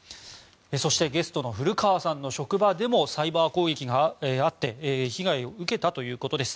そしてゲストの古川さんの職場でもサイバー攻撃があって被害を受けたということです。